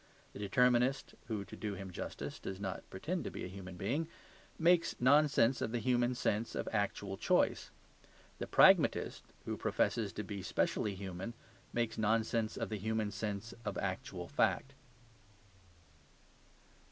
The determinist (who, to do him justice, does not pretend to be a human being) makes nonsense of the human sense of actual choice. The pragmatist, who professes to be specially human, makes nonsense of the human sense of actual fact.